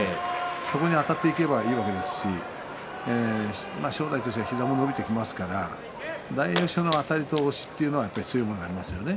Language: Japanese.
そこにあたっていけばいいわけですし正代としては膝も伸びてきますから大栄翔のあたりと押しが強いものがありますよね。